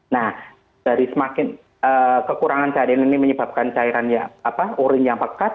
nah dari semakin kekurangan cairan ini menyebabkan cairan urin yang pekat